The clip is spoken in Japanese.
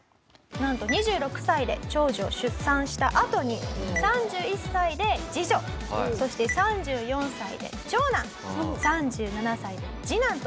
なんと２６歳で長女を出産したあとに３１歳で次女そして３４歳で長男３７歳で次男と。